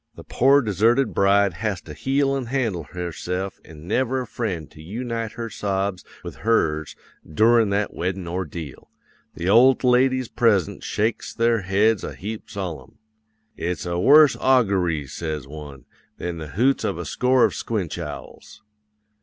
the pore deserted bride has to heel an' handle herse'f an' never a friend to yoonite her sobs with hers doorin' that weddin' ordeal. The old ladies present shakes their heads a heap solemn. "'"It's a worse augoory," says one, "than the hoots of a score of squinch owls."